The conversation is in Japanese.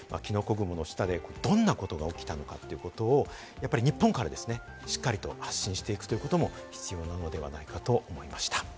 キノコ雲の下でどんなことが起きたのかということを日本からですね、しっかりと発信していくということも必要なのではないかと思いました。